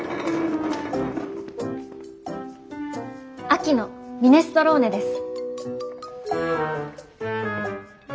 秋のミネストローネです。